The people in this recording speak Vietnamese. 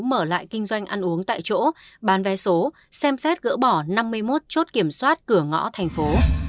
mở lại kinh doanh ăn uống tại chỗ bán vé số xem xét gỡ bỏ năm mươi một chốt kiểm soát cửa ngõ thành phố